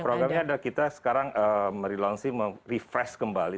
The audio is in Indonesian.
programnya adalah kita sekarang refresh kembali